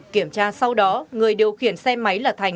kiểm tra sau đó người điều khiển xe máy là thành